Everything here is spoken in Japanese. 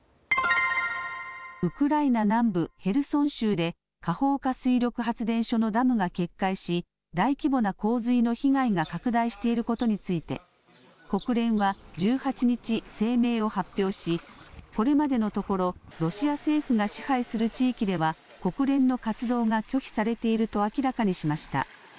ウクライナ南部ヘルソン州でカホウカ水力発電所のダムが決壊し大規模な洪水の被害が拡大していることについて国連は１８日、声明を発表しこれまでのところ、ロシア政府が支配する地域では国連の活動が拒否されていると明らかにしました。